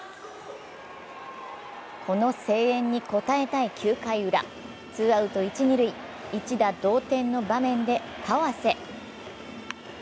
この声援に応えたい９回ウラ、ツーアウト、一・二塁一打同点の場面で川瀬。